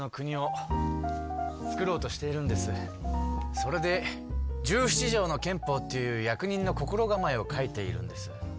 それで「十七条の憲法」っていう役人の心がまえを書いているんです。